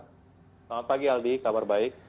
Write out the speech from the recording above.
selamat pagi aldi kabar baik